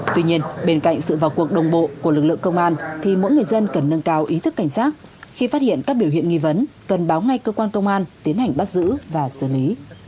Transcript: tuy nhiên bên cạnh sự vào cuộc đồng bộ của lực lượng công an thì mỗi người dân cần nâng cao ý thức cảnh sát khi phát hiện các biểu hiện nghi vấn cần báo ngay cơ quan công an tiến hành bắt giữ và xử lý